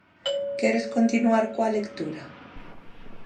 Queres continuar coa lectura?